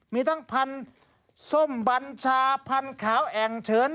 มีทั้งพันธุ์ส้มบัญชาพันธุ์ขาวแอ่งเฉิน